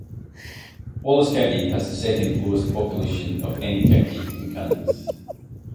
Wallace County has the second lowest population of any county in Kansas.